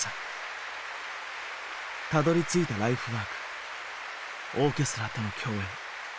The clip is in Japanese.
たどりついたライフワークオーケストラとの共演。